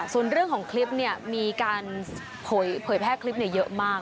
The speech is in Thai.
ส่วนเรื่องของคลิปมีการเผยแพร่คลิปเยอะมาก